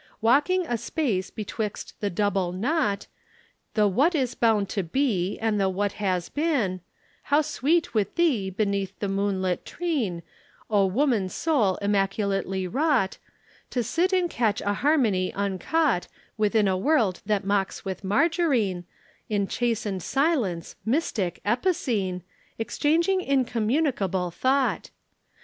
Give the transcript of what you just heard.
"'Walking a space betwixt the double Naught, The What Is Bound to Be and What Has Been, How sweet with Thee beneath the moonlit treen, O woman soul immaculately wrought, To sit and catch a harmony uncaught Within a world that mocks with margarine, In chastened silence, mystic, epicene, Exchanging incommunicable thought.